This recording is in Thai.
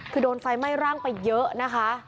คือโดนไฟไหม้ร่างไปเยอะนะคะ